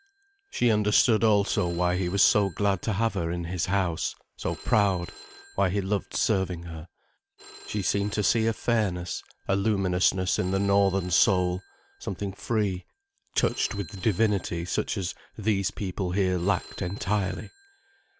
She understood also why he was so glad to have her in his house, so proud, why he loved serving her. She seemed to see a fairness, a luminousness in the northern soul, something free, touched with divinity such as "these people here" lacked entirely.